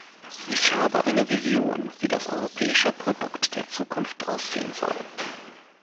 Ich habe eine Vision, wie das europäische Produkt der Zukunft aussehen soll.